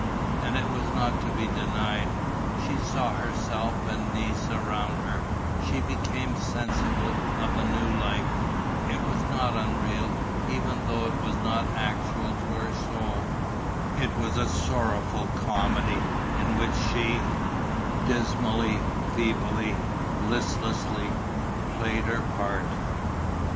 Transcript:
And it was not to be denied: she saw herself and Nice around her; she became sensible of new life: it was not unreal, even though it was not actual to her soul; it was a sorrowful comedy, in which she dismally, feebly, listlessly played her part.